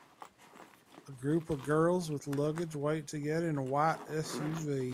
A group of girls with luggage wait to get in a white SUV.